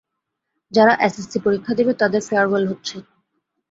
যারা এসএসসি পরীক্ষা দেবে তাদের ফেয়ারওয়েল হচ্ছে।